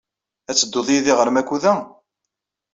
Ad tedduḍ yid-i ɣer Makuda?